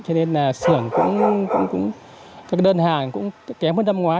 cho nên là xưởng cũng đơn hàng cũng kém hơn năm ngoái